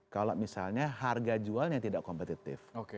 kalau misalnya harga jualnya tidak kompetitif